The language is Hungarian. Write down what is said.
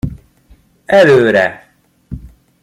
Előre!